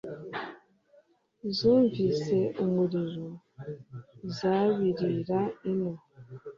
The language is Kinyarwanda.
zumvise umuriro zabirira ino.